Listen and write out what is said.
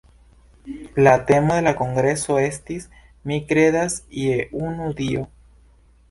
La temo de la kongreso estis "Mi kredas je unu Dio".